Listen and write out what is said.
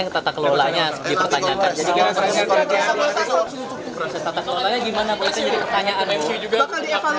proses tata kelola ini bagaimana